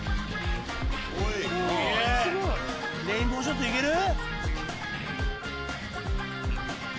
レインボーショットいける？